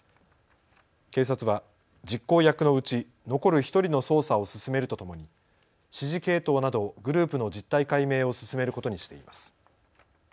警察は実行役のうち残る１人の捜査を進めるとともに指示系統などをグループの実態解明を進めることにしています。